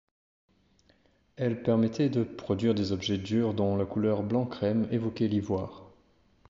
Elle permettait de produire des objets durs dont la couleur blanc-crème évoquait l'ivoire.